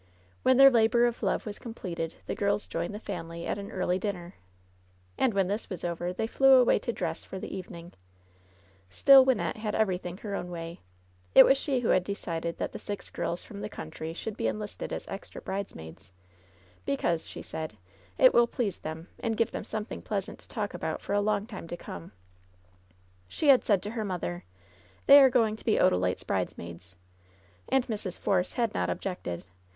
When their labor of love was completed the girls joined the family at an early dinner. And when this was over they flew away to dress for the evening. Still Wynnette had everything her own way. It was she who had decided that the six girls from the country should be enlisted as extra bridesmaids, "because," she said, "it will please them, and give them something pleasant to talk about for a long time to come," She had said to her mother : "They are going to be Odalite's bridesmaids." And Mrs. Force had not objected.